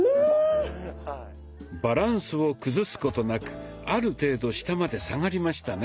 バランスを崩すことなくある程度下まで下がりましたね。